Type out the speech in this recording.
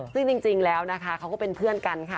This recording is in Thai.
ซึ่งจริงแล้วนะคะเขาก็เป็นเพื่อนกันค่ะ